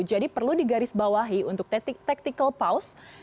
jadi perlu digarisbawahi untuk tactical pause